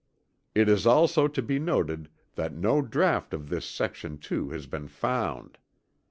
It is also to be noted that no draught of this section 2 has been found.